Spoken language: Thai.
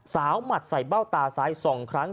หมัดใส่เบ้าตาซ้าย๒ครั้ง